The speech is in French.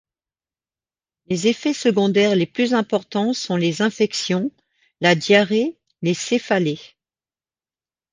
Les effets secondaires les plus importants sont les infections, la diarrhée, les céphalées.